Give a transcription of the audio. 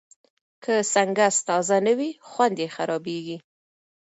که سنکس تازه نه وي، خوند یې خرابېږي.